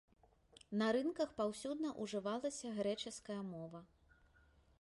На рынках паўсюдна ўжывалася грэчаская мова.